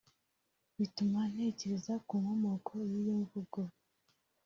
bituma ntekereza ku nkomoko y’iyo mvugo